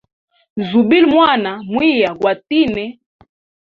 Zubila mwana, muhiya gwatine.